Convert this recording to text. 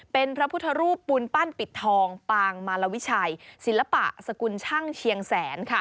เป็นพระพุทธรูปปูนปั้นปิดทองปางมารวิชัยศิลปะสกุลช่างเชียงแสน